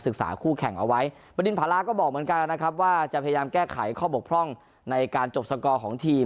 คู่แข่งเอาไว้บรรดินภาระก็บอกเหมือนกันนะครับว่าจะพยายามแก้ไขข้อบกพร่องในการจบสกอร์ของทีม